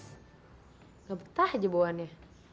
enggak betah aja buahnya